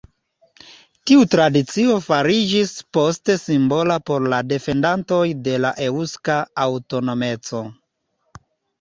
Tiu tradicio fariĝis poste simbola por la defendantoj de la eŭska aŭtonomeco.